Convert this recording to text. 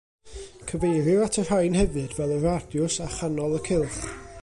Cyfeirir at y rhain hefyd fel y radiws a chanol y cylch.